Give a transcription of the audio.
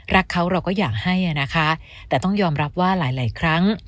รักเขาเราก็อยากให้นะคะแต่ต้องยอมรับว่าหลายครั้ง